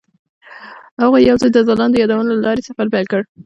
هغوی یوځای د ځلانده یادونه له لارې سفر پیل کړ.